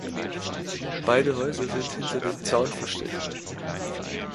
Beide Häuser sind hinter dem Zaun versteckt.